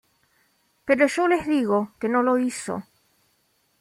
Pero yo les digo que no lo hizo.